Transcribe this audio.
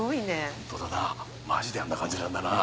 ホントだなマジであんな感じなんだな。